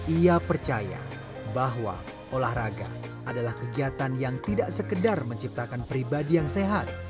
ia percaya bahwa olahraga adalah kegiatan yang tidak sekedar menciptakan pribadi yang sehat